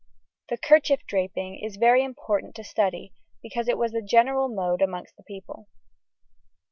The kerchief draping is very important to study, because it was the general mode amongst the people.